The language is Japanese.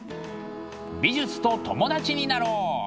美術と友達になろう。